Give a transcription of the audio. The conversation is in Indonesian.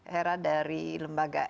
hera dari lembaga